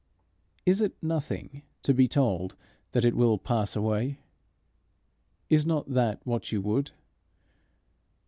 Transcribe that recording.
Is it nothing to be told that it will pass away? Is not that what you would?